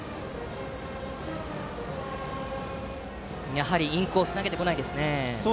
やはりインコースに投げてこないですね。